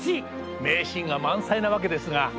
名シーンが満載なわけですが。